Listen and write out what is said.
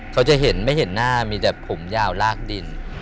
เขาจะเห็นไม่เห็นหน้ามีแต่ผมยาวลากดิน